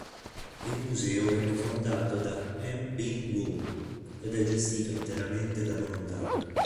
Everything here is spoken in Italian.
Il museo venne fondato da M. Ping Wu, ed è gestito interamente da volontari.